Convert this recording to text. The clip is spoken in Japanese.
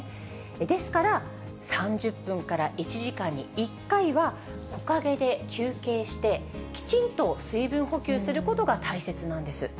ですから、３０分から１時間に１回は、木陰で休憩して、きちんと水分補給することが大切なんです。